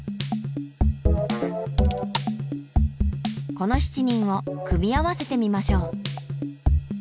この７人を組み合わせてみましょう。